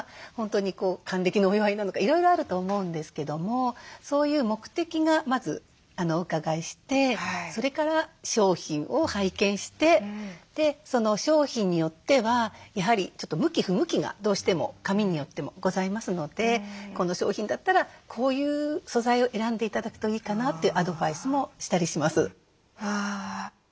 本当に還暦のお祝いなのかいろいろあると思うんですけどもそういう目的がまずお伺いしてそれから商品を拝見してで商品によってはやはりちょっと向き不向きがどうしても紙によってもございますのでこの商品だったらこういう素材を選んで頂くといいかなというアドバイスもしたりします。